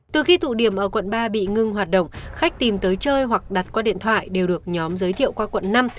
từ khi tụ điểm ở quận ba bị ngưng hoạt động khách tìm tới chơi hoặc đặt qua điện thoại đều được nhóm giới thiệu qua quận năm